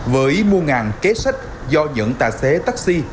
với mua kế sách do những tài xế taxi